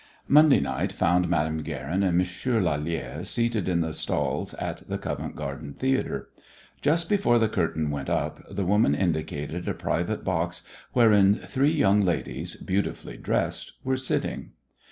Monday night found Madame Guerin and Monsieur Lalère seated in the stalls at the Covent Garden Theatre. Just before the curtain went up the woman indicated a private box wherein three young ladies, beautifully dressed, were sitting.